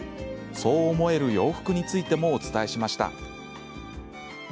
そう思える洋服についてもお伝えしました。